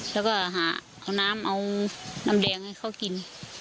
แล้วก็หาเอาน้ำเอาน้ำแดงให้เขากิน